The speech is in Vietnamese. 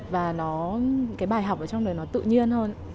và cái bài học ở trong này nó tự nhiên